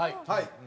はい。